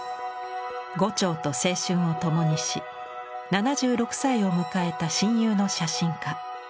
牛腸と青春をともにし７６歳を迎えた親友の写真家。